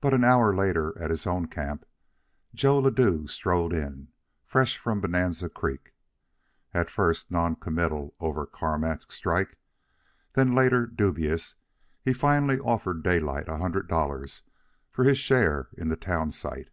But an hour later, at his own camp, Joe Ladue strode in, fresh from Bonanza Creek. At first, non committal over Carmack's strike, then, later, dubious, he finally offered Daylight a hundred dollars for his share in the town site.